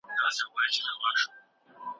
تاریخي پیښې د وخت په تیریدو سره اوښتل کیدای سي.